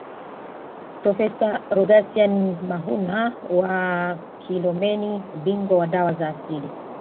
Profesa Rogasian Mahuna wa Kilomeni bingwa wa dawa za asili